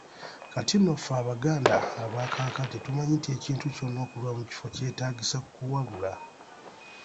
Kati no ffe Abaganda abakaakati tumanyi nti ekintu kyonna okuva mu kifo kyetaagisa kuwalula.